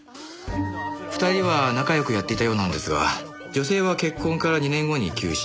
２人は仲良くやっていたようなんですが女性は結婚から２年後に急死。